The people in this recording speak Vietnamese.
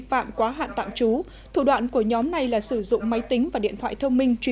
phạm quá hạn tạm trú thủ đoạn của nhóm này là sử dụng máy tính và điện thoại thông minh truy